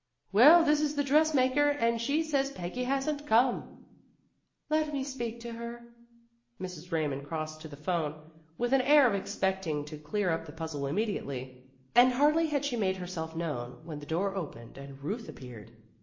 "Well, this is the dressmaker, and she says Peggy hasn't come." "Let me speak to her." Mrs. Eaymond crossed to the phone, with an air of expecting to clear up the puzzle immediately. And hardly had she made herself known, when the door opened and Ruth appeared.